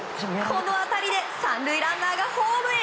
この当たりで３塁ランナーがホームへ。